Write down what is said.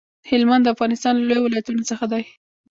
هلمند د افغانستان له لويو ولايتونو څخه دی.